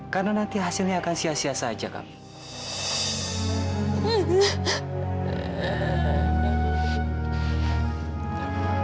karena nanti hasilnya akan sia sia saja kak